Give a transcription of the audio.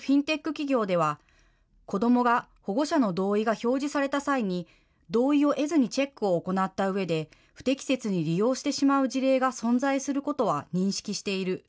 企業では、子どもが保護者の同意が表示された際に、同意を得ずにチェックを行ったうえで、不適切に利用してしまう事例が存在することは認識している。